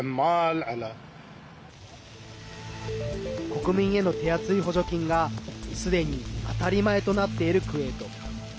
国民への手厚い補助金がすでに当たり前となっているクウェート。